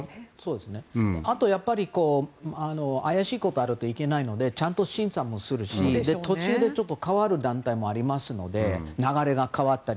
あとやっぱり怪しいことがあるといけないのでちゃんと審査もするし途中で変わる団体もありますので流れが変わったり。